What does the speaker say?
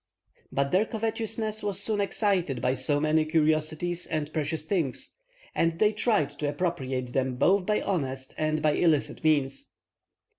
But their covetousness was soon excited by so many curiosities and precious things, and they tried to appropriate them both by honest and by illicit means.